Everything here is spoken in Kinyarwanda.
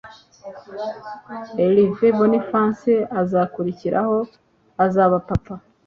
Elve Boniface azakurikiraho azaba Papa